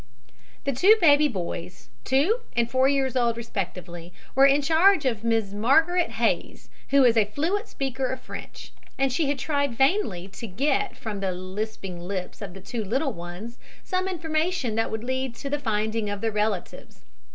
The two baby boys, two and four years old, respectively, were in charge of Miss Margaret Hays, who is a fluent speaker of French, and she had tried vainly to get from the lisping lips of the two little ones some information that would lead to the finding of their relatives.